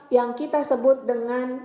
yang kita sebut dengan